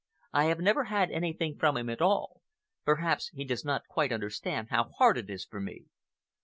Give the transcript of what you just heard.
I have never had anything from him at all. Perhaps he does not quite understand how hard it is for me.